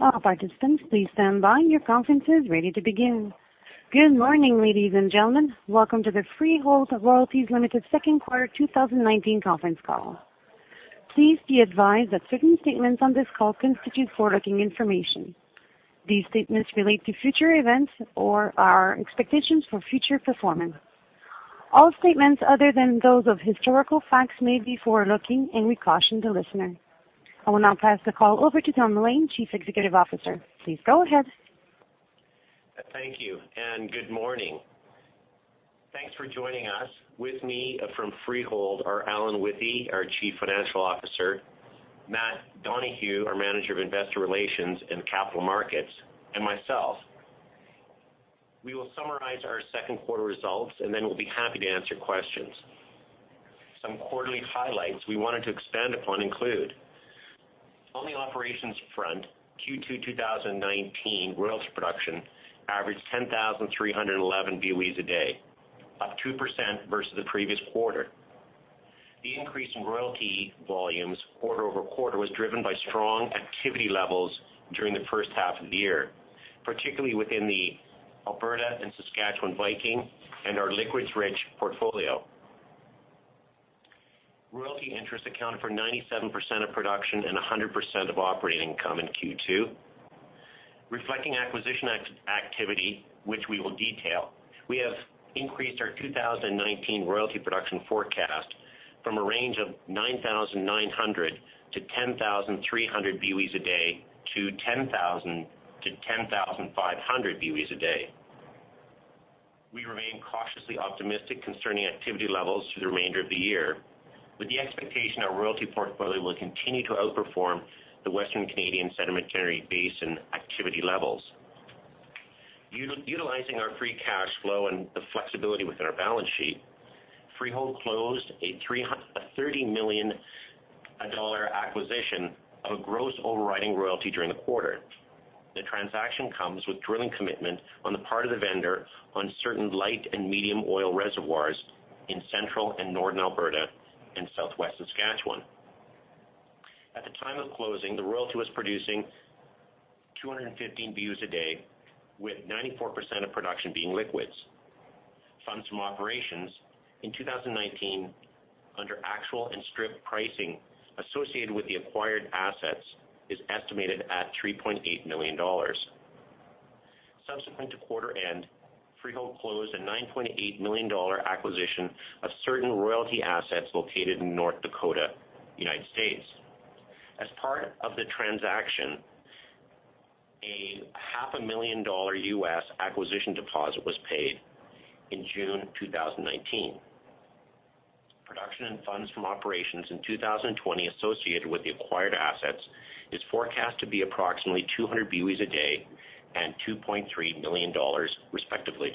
All participants, please stand by. Your conference is ready to begin. Good morning, ladies and gentlemen. Welcome to the Freehold Royalties Ltd. second quarter 2019 conference call. Please be advised that certain statements on this call constitute forward-looking information. These statements relate to future events or our expectations for future performance. All statements other than those of historical facts may be forward-looking, and we caution the listener. I will now pass the call over to Tom Mullane, Chief Executive Officer. Please go ahead. Thank you, and good morning. Thanks for joining us. With me from Freehold are Alan Withey, our Chief Financial Officer, Matt Donohue, our Manager of Investor Relations and Capital Markets, and myself. We will summarize our second quarter results, and then we'll be happy to answer questions. Some quarterly highlights we wanted to expand upon include: On the operations front, Q2 2019 royalty production averaged 10,311 BOEs a day, up 2% versus the previous quarter. The increase in royalty volumes quarter-over-quarter was driven by strong activity levels during the first half of the year, particularly within the Alberta and Saskatchewan Viking and our liquids-rich portfolio. Royalty interest accounted for 97% of production and 100% of operating income in Q2. Reflecting acquisition activity, which we will detail, we have increased our 2019 royalty production forecast from a range of 9,900 to 10,300 BOEs a day to 10,000 to 10,500 BOEs a day. We remain cautiously optimistic concerning activity levels through the remainder of the year, with the expectation our royalty portfolio will continue to outperform the Western Canadian Sedimentary Basin activity levels. Utilizing our free cash flow and the flexibility within our balance sheet, Freehold closed a 30 million dollar acquisition of a gross overriding royalty during the quarter. The transaction comes with drilling commitment on the part of the vendor on certain light and medium oil reservoirs in central and northern Alberta and southwest Saskatchewan. At the time of closing, the royalty was producing 215 BOEs a day with 94% of production being liquids. Funds from operations in 2019 under actual and strip pricing associated with the acquired assets is estimated at 3.8 million dollars. Subsequent to quarter end, Freehold closed a 9.8 million dollar acquisition of certain royalty assets located in North Dakota, U.S. As part of the transaction, a half a million U.S. dollar acquisition deposit was paid in June 2019. Production and funds from operations in 2020 associated with the acquired assets is forecast to be approximately 200 BOEs a day and 2.3 million dollars, respectively.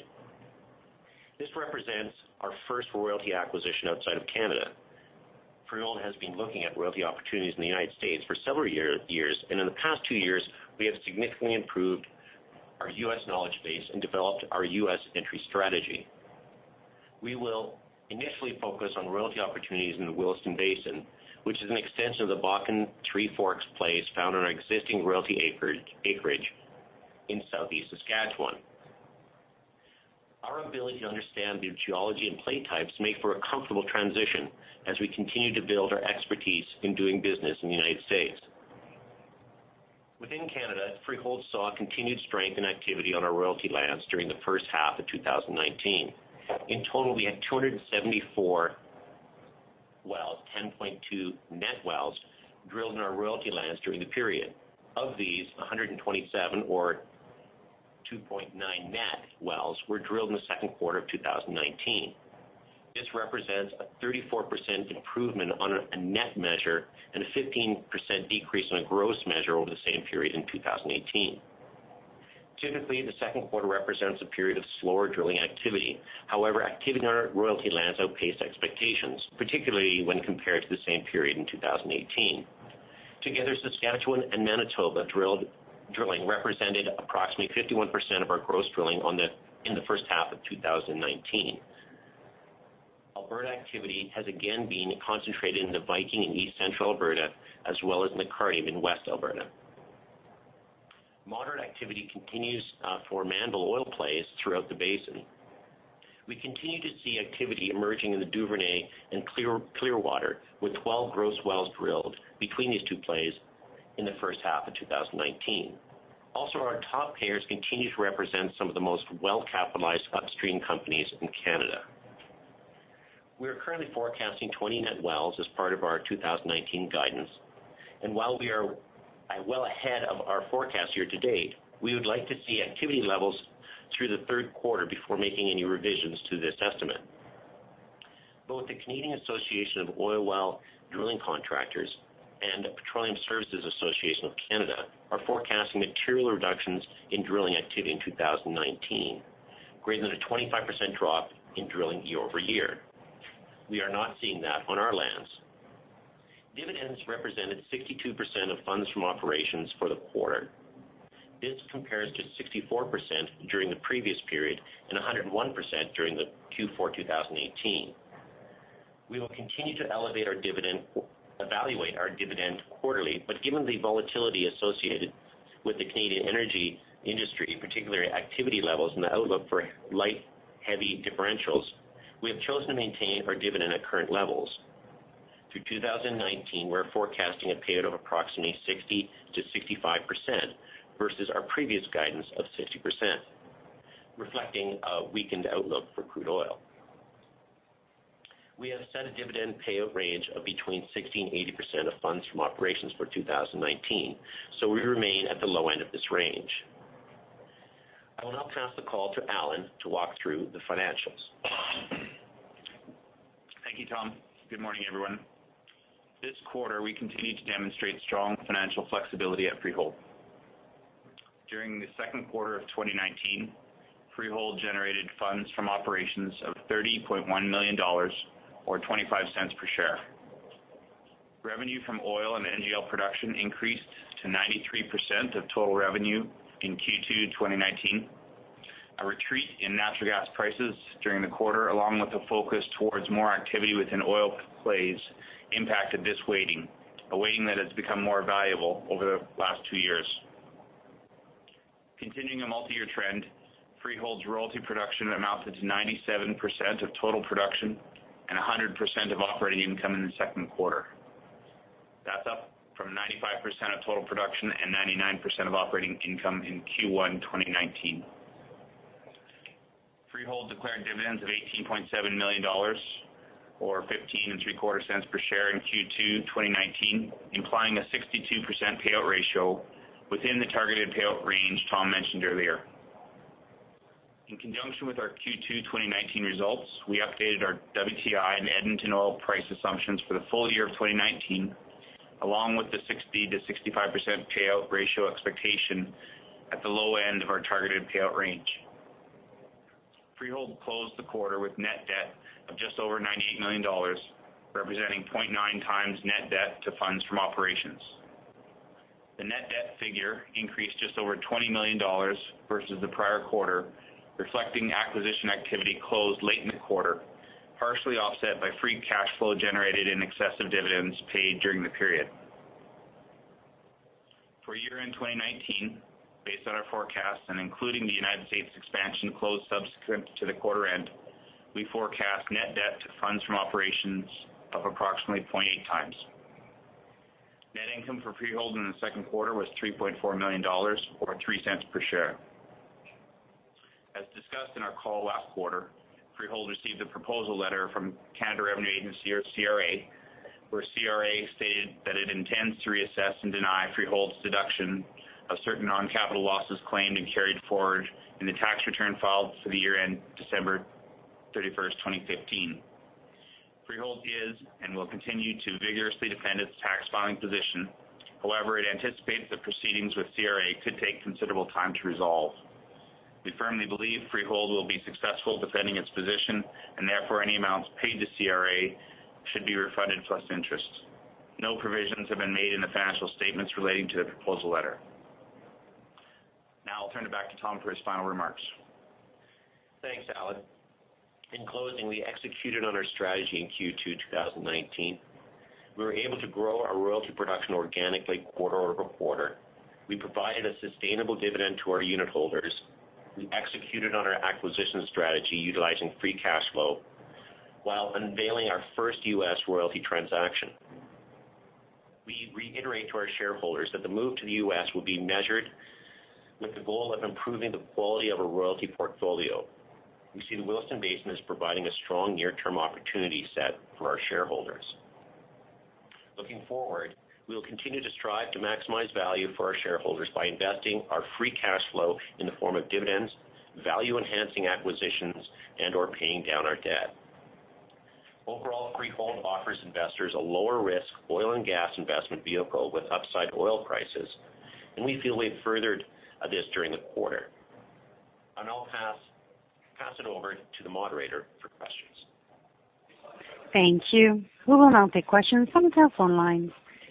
This represents our first royalty acquisition outside of Canada. Freehold has been looking at royalty opportunities in the U.S. for several years, and in the past two years, we have significantly improved our U.S. knowledge base and developed our U.S. entry strategy. We will initially focus on royalty opportunities in the Williston Basin, which is an extension of the Bakken Three Forks plays found on our existing royalty acreage in southeast Saskatchewan. Our ability to understand the geology and play types make for a comfortable transition as we continue to build our expertise in doing business in the United States. Within Canada, Freehold saw continued strength and activity on our royalty lands during the first half of 2019. In total, we had 274 wells, 10.2 net wells, drilled in our royalty lands during the period. Of these, 127 or 2.9 net wells were drilled in the second quarter of 2019. This represents a 34% improvement on a net measure and a 15% decrease on a gross measure over the same period in 2018. Typically, the second quarter represents a period of slower drilling activity. However, activity on our royalty lands outpaced expectations, particularly when compared to the same period in 2018. Together, Saskatchewan and Manitoba drilling represented approximately 51% of our gross drilling in the first half of 2019. Alberta activity has again been concentrated in the Viking and East Central Alberta, as well as in the Cardium in West Alberta. Moderate activity continues for Mannville oil plays throughout the basin. We continue to see activity emerging in the Duvernay and Clearwater, with 12 gross wells drilled between these two plays in the first half of 2019. Also, our top payers continue to represent some of the most well-capitalized upstream companies in Canada. We are currently forecasting 20 net wells as part of our 2019 guidance, and while we are well ahead of our forecast year-to-date, we would like to see activity levels through the third quarter before making any revisions to this estimate. Both the Canadian Association of Oilwell Drilling Contractors and the Petroleum Services Association of Canada are forecasting material reductions in drilling activity in 2019, greater than a 25% drop in drilling year-over-year. We are not seeing that on our lands. Dividends represented 62% of funds from operations for the quarter. This compares to 64% during the previous period and 101% during the Q4 2018. We will continue to evaluate our dividend quarterly, but given the volatility associated with the Canadian energy industry, particularly activity levels and the outlook for light, heavy differentials, we have chosen to maintain our dividend at current levels. Through 2019, we're forecasting a payout of approximately 60%-65%, versus our previous guidance of 60%, reflecting a weakened outlook for crude oil. We have set a dividend payout range of between 60% and 80% of funds from operations for 2019, so we remain at the low end of this range. I will now pass the call to Alan to walk through the financials. Thank you, Tom. Good morning, everyone. This quarter, we continued to demonstrate strong financial flexibility at Freehold. During the second quarter of 2019, Freehold generated funds from operations of 30.1 million dollars, or 0.25 per share. Revenue from oil and NGL production increased to 93% of total revenue in Q2 2019. A retreat in natural gas prices during the quarter, along with a focus towards more activity within oil plays, impacted this weighting, a weighting that has become more valuable over the last two years. Continuing a multi-year trend, Freehold's royalty production amounted to 97% of total production and 100% of operating income in the second quarter. That's up from 95% of total production and 99% of operating income in Q1 2019. Freehold declared dividends of 18.7 million dollars, or 0.1575 per share in Q2 2019, implying a 62% payout ratio within the targeted payout range Tom mentioned earlier. In conjunction with our Q2 2019 results, we updated our WTI and Edmonton oil price assumptions for the full year of 2019, along with the 60%-65% payout ratio expectation at the low end of our targeted payout range. Freehold closed the quarter with net debt of just over 98 million dollars, representing 0.9x net debt to funds from operations. The net debt figure increased just over 20 million dollars versus the prior quarter, reflecting acquisition activity closed late in the quarter, partially offset by free cash flow generated in excess of dividends paid during the period. For year-end 2019, based on our forecast and including the United States expansion closed subsequent to the quarter end, we forecast net debt to funds from operations of approximately 0.8x. Net income for Freehold in the second quarter was 3.4 million dollars, or 0.03 per share. As discussed in our call last quarter, Freehold received a proposal letter from Canada Revenue Agency, or CRA, where CRA stated that it intends to reassess and deny Freehold's deduction of certain non-capital losses claimed and carried forward in the tax return filed for the year end December 31st, 2015. Freehold is and will continue to vigorously defend its tax filing position. It anticipates the proceedings with CRA could take considerable time to resolve. We firmly believe Freehold will be successful defending its position, and therefore, any amounts paid to CRA should be refunded, plus interest. No provisions have been made in the financial statements relating to the proposal letter. I'll turn it back to Tom for his final remarks. Thanks, Alan. In closing, we executed on our strategy in Q2 2019. We were able to grow our royalty production organically quarter-over-quarter. We provided a sustainable dividend to our unit holders. We executed on our acquisition strategy utilizing free cash flow while unveiling our first U.S. royalty transaction. We reiterate to our shareholders that the move to the U.S. will be measured with the goal of improving the quality of our royalty portfolio. We see the Williston Basin as providing a strong near-term opportunity set for our shareholders. Looking forward, we will continue to strive to maximize value for our shareholders by investing our free cash flow in the form of dividends, value-enhancing acquisitions, and/or paying down our debt. Overall, Freehold offers investors a lower-risk oil and gas investment vehicle with upside oil prices, and we feel we have furthered this during the quarter. I'll now pass it over to the moderator for questions. Thank you. We will now take questions from telephone lines.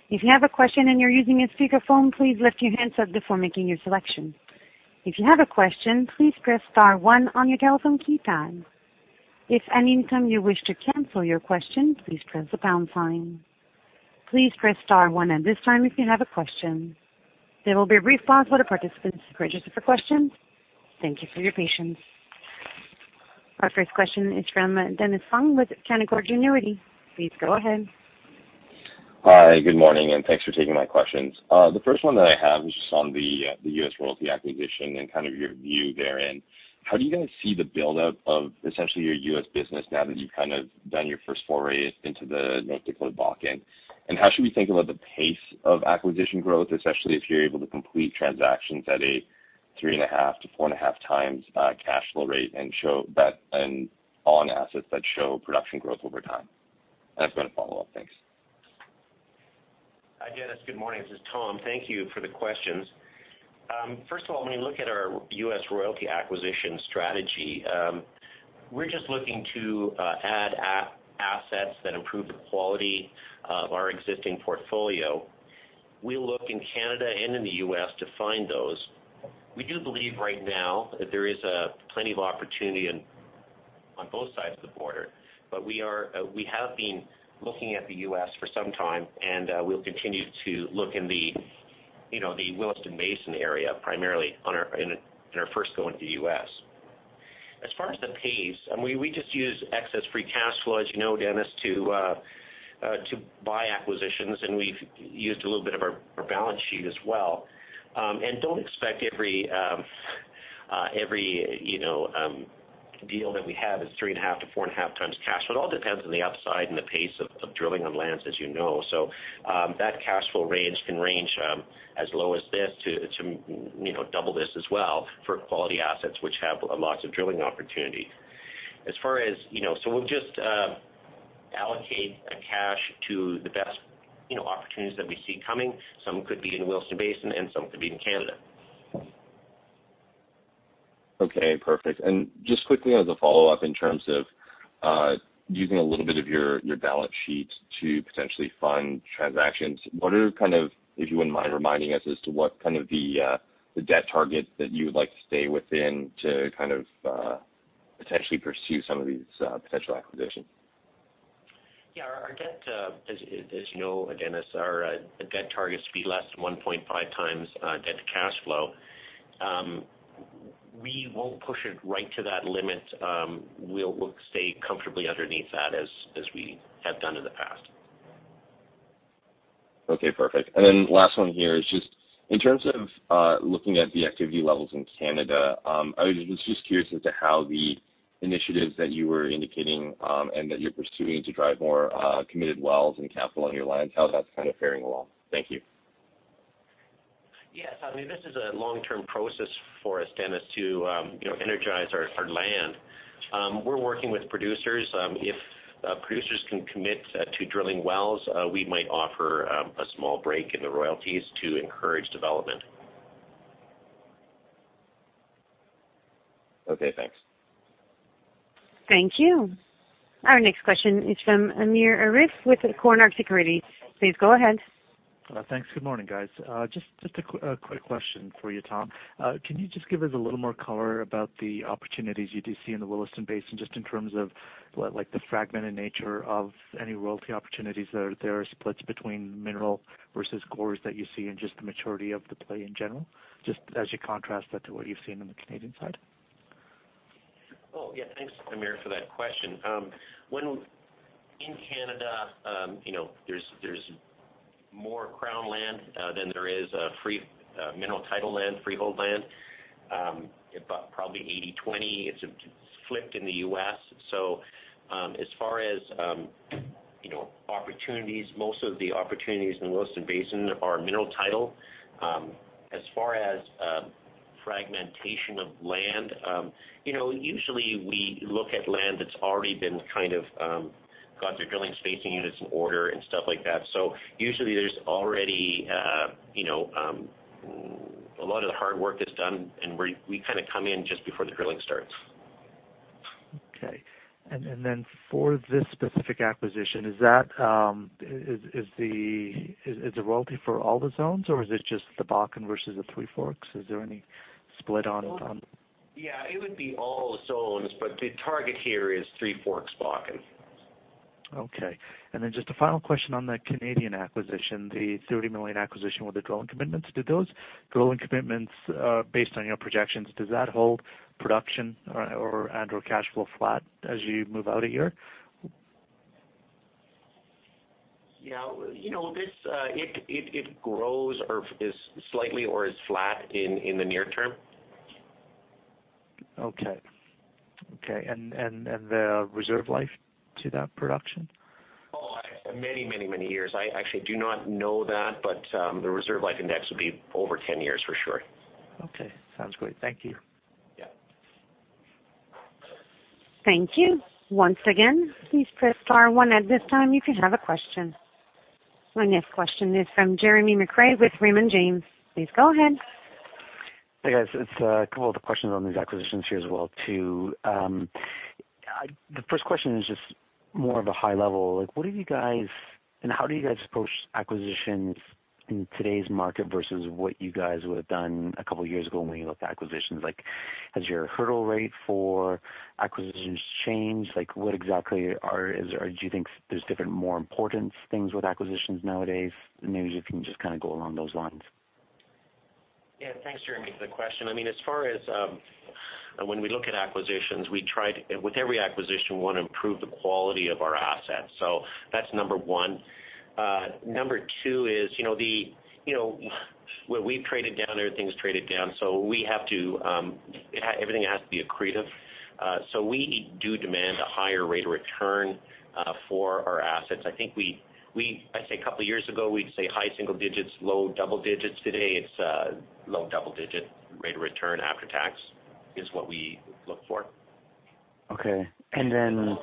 If you have a question and you're using a speakerphone, please lift your handset before making your selection. If you have a question, please press star one on your telephone keypad. If at any time you wish to cancel your question, please press the pound sign. Please press star one at this time if you have a question. There will be a brief pause while the participants register for questions. Thank you for your patience. Our first question is from Dennis Fong with Canaccord Genuity. Please go ahead. Hi. Good morning, and thanks for taking my questions. The first one that I have is just on the U.S. royalty acquisition and kind of your view therein. How do you guys see the buildup of essentially your U.S. business now that you've kind of done your first foray into the North Dakota Bakken? How should we think about the pace of acquisition growth, especially if you're able to complete transactions at a 3.5x-4.5x cash flow rate, and on assets that show production growth over time? I've got a follow-up. Thanks. Hi, Dennis. Good morning. This is Tom. Thank you for the questions. First of all, when you look at our U.S. royalty acquisition strategy. We're just looking to add assets that improve the quality of our existing portfolio. We look in Canada and in the U.S. to find those. We do believe right now that there is plenty of opportunity on both sides of the border, but we have been looking at the U.S. for some time, and we'll continue to look in the Williston Basin area, primarily in our first go into the U.S. As far as the pace, we just use excess free cash flow, as you know, Dennis, to buy acquisitions, and we've used a little bit of our balance sheet as well. Don't expect every deal that we have is 3.5x-4.5x times cash. It all depends on the upside and the pace of drilling on lands, as you know. That cash flow range can range as low as this to double this as well for quality assets which have lots of drilling opportunity. We'll just allocate cash to the best opportunities that we see coming. Some could be in the Williston Basin and some could be in Canada. Okay, perfect. Just quickly as a follow-up, in terms of using a little bit of your balance sheet to potentially fund transactions, if you wouldn't mind reminding us as to what the debt target that you would like to stay within to potentially pursue some of these potential acquisitions? Yeah. Our debt, as you know, Dennis, our debt target is to be less than 1.5x debt to cash flow. We won't push it right to that limit. We'll stay comfortably underneath that as we have done in the past. Okay, perfect. Then last one here is just in terms of looking at the activity levels in Canada, I was just curious as to how the initiatives that you were indicating, and that you're pursuing to drive more committed wells and capital on your lands, how that's faring along. Thank you. Yes. This is a long-term process for us, Dennis, to energize our land. We're working with producers. If producers can commit to drilling wells, we might offer a small break in the royalties to encourage development. Okay, thanks. Thank you. Our next question is from Amir Arif with Cormark Securities. Please go ahead. Thanks. Good morning, guys. Just a quick question for you, Tom. Can you just give us a little more color about the opportunities you do see in the Williston Basin, just in terms of the fragmented nature of any royalty opportunities that are there, splits between mineral versus GORRs that you see and just the maturity of the play in general, just as you contrast that to what you've seen on the Canadian side? Oh, yeah. Thanks, Amir, for that question. In Canada, there's more crown land than there is mineral title land, freehold land, about probably 80/20. It's flipped in the U.S. As far as opportunities, most of the opportunities in the Williston Basin are mineral title. As far as fragmentation of land, usually we look at land that's already got their drilling spacing units in order and stuff like that. Usually there's already a lot of the hard work that's done, and we kind of come in just before the drilling starts. Okay. For this specific acquisition, is the royalty for all the zones, or is it just the Bakken versus the Three Forks? Is there any split? Yeah, it would be all zones, but the target here is Three Forks Bakken. Okay. Just a final question on the Canadian acquisition, the 30 million acquisition with the drilling commitments. Do those drilling commitments, based on your projections, does that hold production and/or cash flow flat as you move out a year? It grows or is slightly or is flat in the near term. Okay. The reserve life to that production? Oh, many years. I actually do not know that, but the reserve life index would be over 10 years for sure. Okay, sounds great. Thank you. Yeah. Thank you. Once again, please press star one at this time if you have a question. Our next question is from Jeremy McCrea with Raymond James. Please go ahead. Hey, guys, it's a couple of questions on these acquisitions here as well, too. The first question is just more of a high level, what do you guys and how do you guys approach acquisitions in today's market versus what you guys would have done a couple of years ago when you looked at acquisitions? Has your hurdle rate for acquisitions changed? What exactly or do you think there's different, more important things with acquisitions nowadays? Maybe if you can just kind of go along those lines. Thanks, Jeremy, for the question. As far as when we look at acquisitions, with every acquisition, we want to improve the quality of our assets. That's number one. Number two is where we've traded down, everything's traded down. Everything has to be accretive. We do demand a higher rate of return for our assets. I think a couple of years ago, we'd say high single digits, low double digits. Today, it's low double-digit rate of return after tax is what we look for. Okay. Also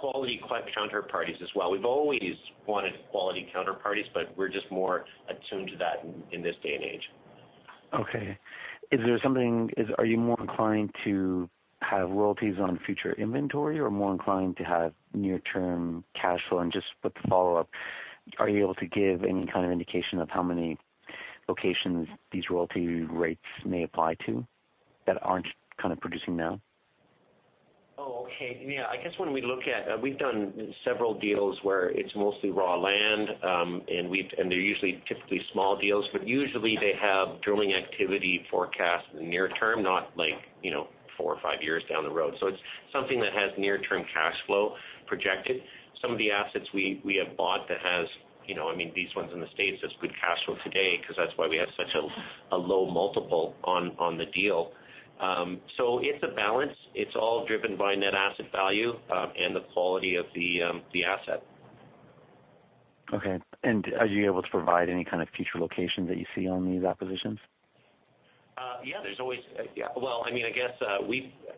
quality counterparties as well. We've always wanted quality counterparties, but we're just more attuned to that in this day and age. Okay. Are you more inclined to have royalties on future inventory or more inclined to have near-term cash flow? Just with the follow-up, are you able to give any kind of indication of how many locations these royalty rates may apply to that aren't kind of producing now? Oh, okay. Yeah, we've done several deals where it's mostly raw land. They're usually typically small deals, usually they have drilling activity forecast in the near term, not four or five years down the road. It's something that has near-term cash flow projected. Some of the assets we have bought that has These ones in the U.S., that's good cash flow today because that's why we have such a low multiple on the deal. It's a balance. It's all driven by net asset value and the quality of the asset. Okay. Are you able to provide any kind of future location that you see on these acquisitions? Yeah. Well, I guess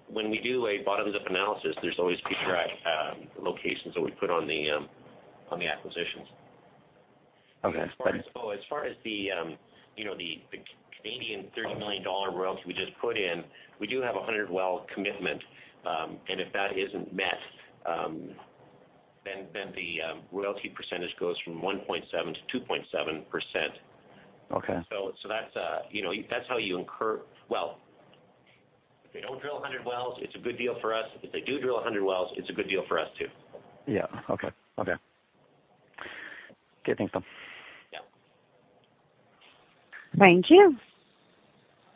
when we do a bottoms-up analysis, there's always future locations that we put on the acquisitions. Okay. As far as the 30 million Canadian dollars royalty we just put in, we do have a 100-well commitment. If that isn't met, then the royalty percentage goes from 1.7%-2.7%. Okay. Well, if they don't drill 100 wells, it's a good deal for us. If they do drill 100 wells, it's a good deal for us, too. Yeah. Okay. Okay. Okay, thanks, Tom. Yeah. Thank you.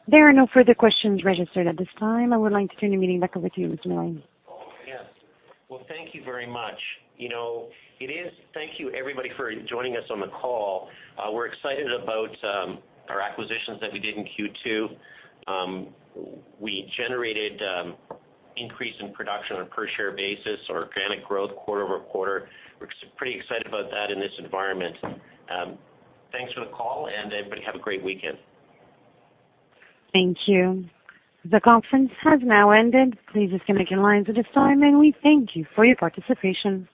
There are no further questions registered at this time. I would like to turn the meeting back over to you, Mr. Milne. Yes. Well, thank you very much. Thank you everybody for joining us on the call. We're excited about our acquisitions that we did in Q2. We generated increase in production on a per-share basis or organic growth quarter-over-quarter. We're pretty excited about that in this environment. Thanks for the call, and everybody have a great weekend. Thank you. The conference has now ended. Please disconnect your lines at this time, and we thank you for your participation.